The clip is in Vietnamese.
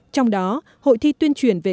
trong đó hội thi tuyên truyền về